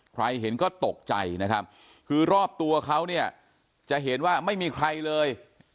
ใครเห็นก็ตกใจนะครับคือรอบตัวเขาเนี่ยจะเห็นว่าไม่มีใครเลย